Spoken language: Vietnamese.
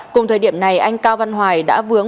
cùng thời điểm này anh cao văn hoài đã vướng